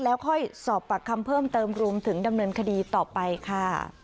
แล้วค่อยสอบปากคำเพิ่มเติมรวมถึงดำเนินคดีต่อไปค่ะ